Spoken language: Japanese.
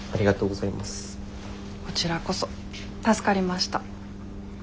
こちらこそ助かりました。